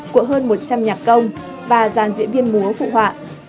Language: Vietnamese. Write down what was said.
của hơn một trăm linh nhạc công và giàn diễn viên múa phụ họa